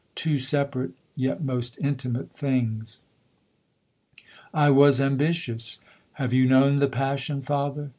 Two separate yet most intimate things. I was ambitious have you known The passion, father?